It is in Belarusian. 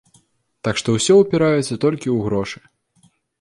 Так што ўсе упіраецца толькі ў грошы.